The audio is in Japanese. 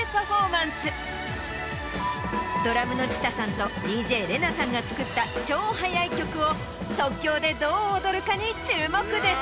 ドラムの ＣＨＩＴＡＡ さんと ＤＪＲＥＮＡ さんが作った超速い曲を即興でどう踊るかに注目です。